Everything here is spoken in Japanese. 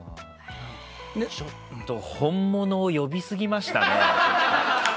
ちょっと本物を呼びすぎましたね。